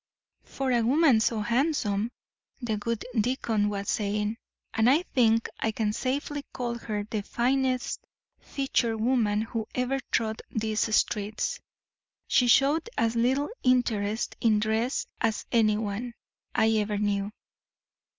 "For a woman so handsome," the good deacon was saying "(and I think I can safely call her the finest featured woman who ever trod these streets), she showed as little interest in dress as anyone I ever knew.